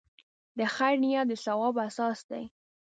د خیر نیت د ثواب اساس دی.